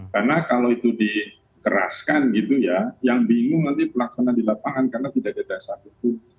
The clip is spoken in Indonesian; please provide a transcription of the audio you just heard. karena kalau itu dikeraskan gitu ya yang bingung nanti pelaksanaan di lapangan karena tidak ada dasar itu